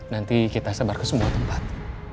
nanti kita sebar ke semua tempat